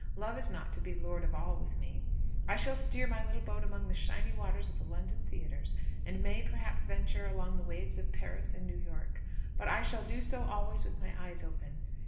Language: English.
Love is not to be lord of all with me. I shall steer my little boat among the shiny waters of the London theatres, and may perhaps venture among the waves of Paris and New York; but I shall do so always with my eyes open.